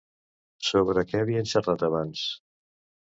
Sobre què havien xerrat abans?